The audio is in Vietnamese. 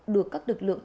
được các lực lượng